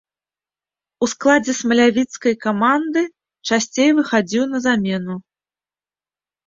У складзе смалявіцкай камандзе часцей выхадзіў на замену.